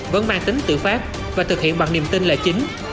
vẫn mang tính tự phát và thực hiện bằng niềm tin là chính